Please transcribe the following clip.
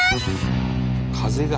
風が。